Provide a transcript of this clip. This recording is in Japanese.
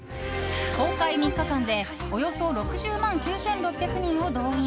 公開３日間でおよそ６０万９６００人を動員。